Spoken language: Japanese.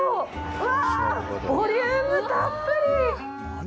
うわぁ、ボリュームたっぷり！